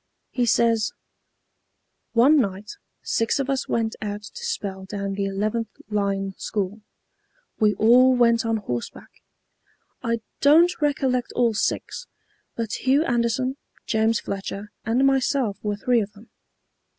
He says: "One night six of us went out to spell down the 11th line school. We all went on horseback. I don't recollect all six, but Hugh Anderson, James Fletcher and myself were three of them.